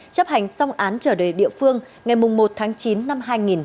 chấp hành xong án trở đời địa phương ngày một tháng chín năm hai nghìn hai mươi